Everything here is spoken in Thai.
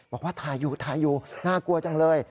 บอกว่าทายูทายูน่ากลัวจังเลย